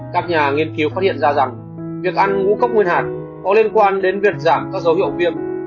các nhà nghiên cứu phát hiện ra rằng việc ăn ngũ cốc nguyên hạt có liên quan đến việc giảm các dấu hiệu viêm